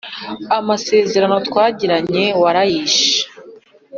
amasezerano twagiranye warayishe